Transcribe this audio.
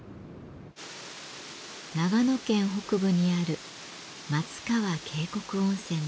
長野県北部にある松川渓谷温泉です。